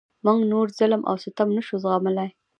موږ نور ظلم او ستم نشو زغملای.